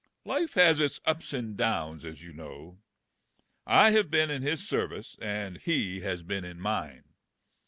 Life has its ups and downs, as you know. I have been in his ser vice, and he has been in mine.